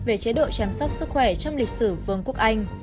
về chế độ chăm sóc sức khỏe trong lịch sử vương quốc anh